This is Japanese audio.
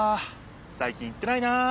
さい近行ってないな。